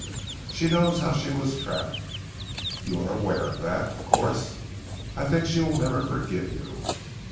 "She knows how she was trapped you are aware of that, of course? I think she will never forgive you."